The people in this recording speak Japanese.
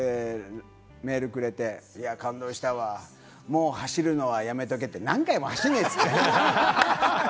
メールくれて、いや感動したわ、もう走るのはやめとけって何回も走らないって。